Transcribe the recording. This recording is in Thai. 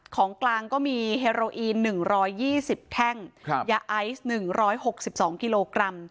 ของกลางก็มีเฮโรอีน๑๒๐แท่งยาไอซ์๑๖๒กิโลกรัม